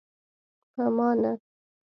په ما نه.